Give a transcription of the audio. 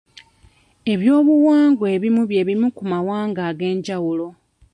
Eby'obuwangwa ebimu bye bimu mu mawanga ag'enjawulo.